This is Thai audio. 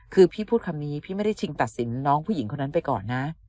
คือพี่พูดคำนี้พี่ไม่ได้ชิงตัดสินน้องผู้หญิงคนนั้นไปก่อนนะ